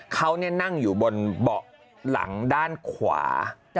เขานั่งอยู่บนเบาะหลังด้านขวา